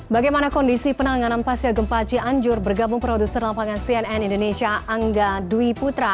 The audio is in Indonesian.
bagaimana kondisi penanganan pasca gempa cianjur bergabung produser lapangan cnn indonesia angga dwi putra